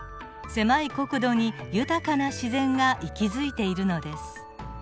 狭い国土に豊かな自然が息づいているのです。